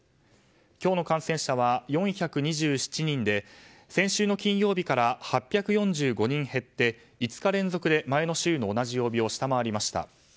今日の感染者は４２７人で先週の金曜日から８４５人減って５日連続で前の週の同じ曜日を下回りました。